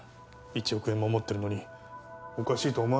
１億円も持ってるのにおかしいと思わないか？